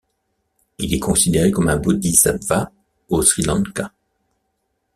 Il est considéré comme un bodhisattva au Sri Lanka.